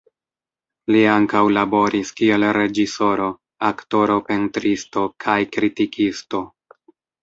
Li ankaŭ laboris kiel reĝisoro, aktoro, pentristo kaj kritikisto.